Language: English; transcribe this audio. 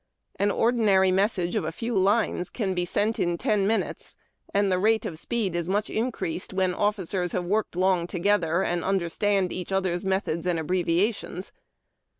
An ordinary message of a few lines can be sent in ten minutes, and the rate of speed is much increased where officers have worked long together, and understand each other's methods and abbreviations.